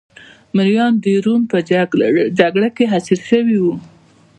مریان د روم په جګړه کې اسیر شوي وو